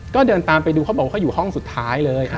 ก็เดินตามไปดูเขาบอกว่าเขาอยู่ห้องสุดท้ายเลย